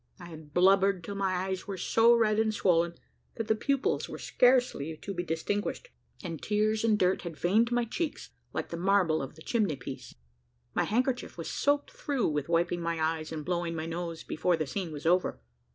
I had blubbered till my eyes were so red and swollen, that the pupils were scarcely to be distinguished, and tears and dirt had veined my cheeks like the marble of the chimney piece. My handkerchief was soaked through with wiping my eyes and blowing my nose, before the scene was over.